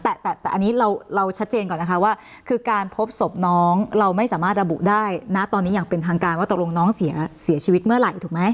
แต่อันนี้เราชัดเจนก่อนนะคะว่าคือการพบศพน้องเราไม่สามารถระบุได้นะตอนนี้อย่างเป็นทางการว่าตกลงน้องเสียชีวิตเมื่อไหร่ถูกไหม